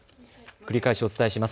繰り返しお伝えします。